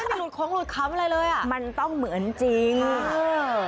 แล้วมีหลุดความหลุดคำอะไรเลยอ่ามันต้องเหมือนจริงหรือ